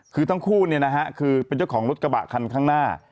คือทั้งคู่คือเป็นเจ้าของรถกระบะคันข้างหน้า